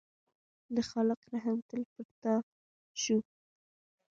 د خالق رحم تل پر تا شو.